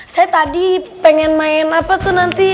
saya tadi pengen main apa tuh nanti